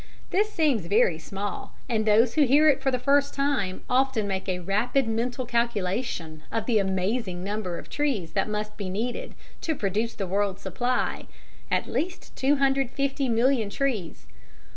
This seems very small, and those who hear it for the first time often make a rapid mental calculation of the amazing number of trees that must be needed to produce the world's supply, at least 250 million trees.